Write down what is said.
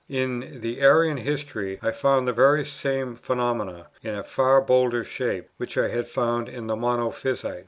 In the Arian History I found the very same phenomenon, in a far bolder shape, which I had found in the Monophysite.